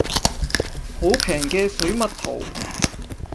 好平嘅水蜜桃